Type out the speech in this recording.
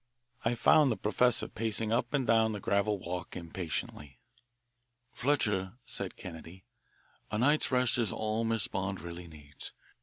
I found the professor pacing up and down the gravel walk impatiently. "Fletcher," said Kennedy, "a night's rest is all Miss Bond really needs.